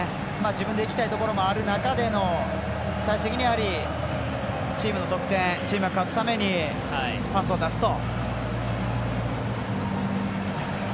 自分でいきたいところもある中での最終的にチームの得点チームが勝つためにパスを出すと。